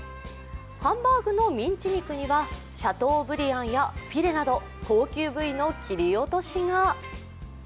ハンバーグのミンチ肉にはシャトーブリアンやフィレなどの高級部位の切り落としが。